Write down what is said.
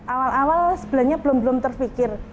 awal awal sebenarnya belum belum terpikir